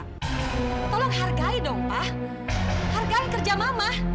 tolong hargai dong pak hargaan kerja mama